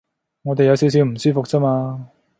我哋有少少唔舒服啫嘛